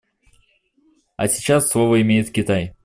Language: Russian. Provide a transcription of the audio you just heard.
А сейчас слово имеет Китай.